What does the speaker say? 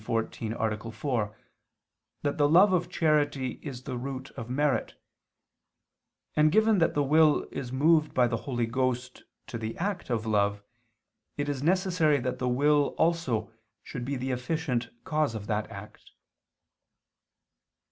4) that the love of charity is the root of merit: and, given that the will is moved by the Holy Ghost to the act of love, it is necessary that the will also should be the efficient cause of that act.